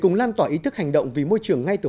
chống biến đổi khí hậu trên nhiều địa phương của nước ta